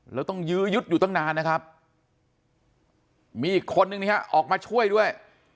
แล้วต้องยื้อยุดอยู่ตั้งนานนะครับมีอีกคนนึงนะฮะออกมาช่วยด้วย